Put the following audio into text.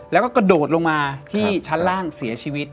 แล้วก็กระโดดลงมาที่ชั้นล่างเสียชีวิต